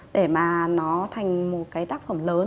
để mà nó thành một cái tác phẩm lớn